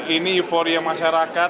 ini euforia masyarakat